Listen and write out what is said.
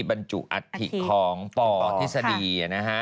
บรรจุอัทธิของปอธิษฎี